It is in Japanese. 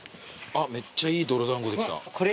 めっちゃいい泥だんごできた。